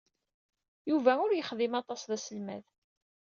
Yuba ur yexdim aṭas d aselmad.